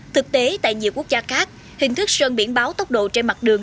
thực tế tại nhiều quốc gia khác hình thức sơn biển báo tốc độ trên mặt đường